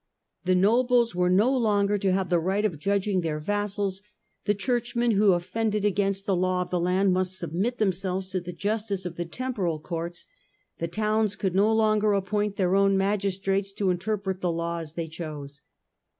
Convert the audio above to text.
The nobles io8 STUPOR MUNDI were no longer to have the right of judging their vassals : the Churchmen who offended against the law of the land must submit themselves to the justice of the temporal courts : the towns could no longer appoint their own magistrates to interpret the law as they chose.